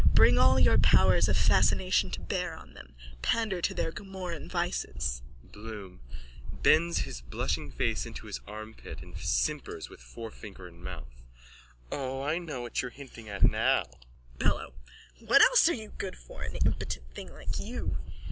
Bring all your powers of fascination to bear on them. Pander to their Gomorrahan vices. BLOOM: (Bends his blushing face into his armpit and simpers with forefinger in mouth.) O, I know what you're hinting at now! BELLO: What else are you good for, an impotent thing like you?